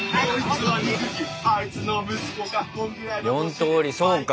４通りそうか。